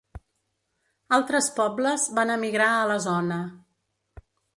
Altres pobles van emigrar a la zona.